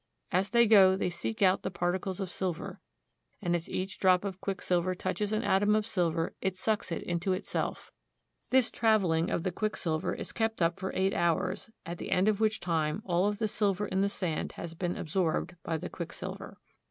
As they go they seek out the particles of silver, and as each drop of quicksilver touches an atom of silver it sucks it into itself. This traveling of the quicksilver is kept up for eight hours, at the end of which time all of the silver in the sand has been absorbed by the quick silver.